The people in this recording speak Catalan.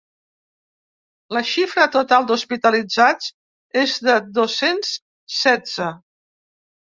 La xifra total d’hospitalitzats és de dos-cents setze.